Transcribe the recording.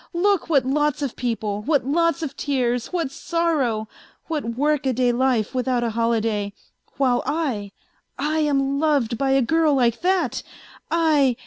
Look what lots of people, what lots of tears, what sorrow, what work a day life without a holiday, while I, I am loved by a girl like that, I.